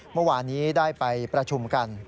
เมื่อวานนี้ได้ไปประชุมกัน